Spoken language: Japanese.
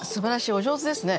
お上手ですね。